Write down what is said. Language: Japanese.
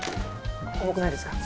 重くないですか？